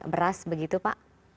beras begitu pak